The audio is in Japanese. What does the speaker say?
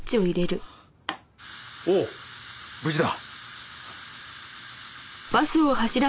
おっ無事だ。